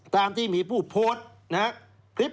ตามที่มีผู้โพสต์นะครับ